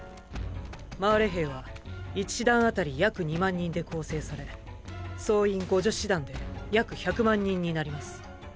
マーレ兵は一師団あたり約２万人で構成され総員５０師団で約１００万人になります。